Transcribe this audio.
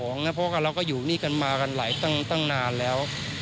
ที่ขายของนะเพราะว่าเราก็อยู่นี่กันมากันไหลตั้งนานแล้ว